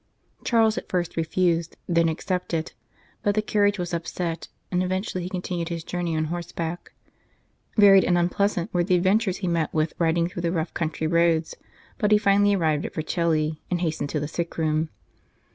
Charles at first refused, then accepted ; but the carriage was upset, and even tually he continued his journey on Horseback. Varied and unpleasant were the adventures he met with riding through the rough country roads, but he finally arrived at Vercelli, and hastened to the sick room.